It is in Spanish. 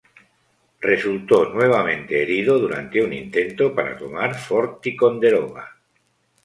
Resultó nuevamente herido durante un intento para tomar Fort Ticonderoga.